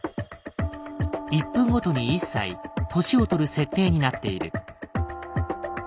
１分ごとに１歳年を取る設定になっている。